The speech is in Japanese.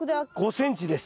５ｃｍです。